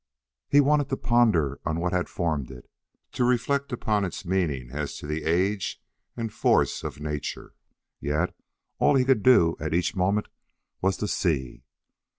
He wanted to ponder on what had formed it to reflect upon its meaning as to age and force of nature, yet all he could do at each moment was to see.